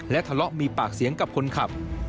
ทะเลาะมีปากเสียงกับคนขับ